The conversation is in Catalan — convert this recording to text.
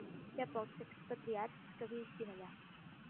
Hi ha pocs expatriats que visquin allà.